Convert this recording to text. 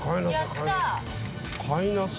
やった。